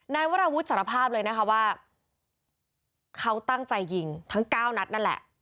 วราวุฒิสารภาพเลยนะคะว่าเขาตั้งใจยิงทั้ง๙นัดนั่นแหละ